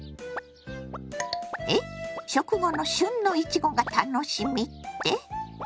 食後の旬のいちごが楽しみって？